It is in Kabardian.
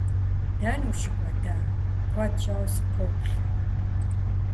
- Дэнэ ущыкӀуэдар? Куэд щӀауэ сыппоплъэ!